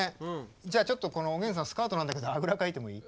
じゃあちょっとこのおげんさんスカートなんだけどあぐらかいてもいい？